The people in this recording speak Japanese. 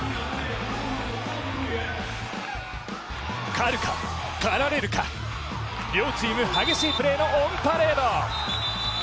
狩るか狩られるか、両チーム、激しいプレーのオンパレード。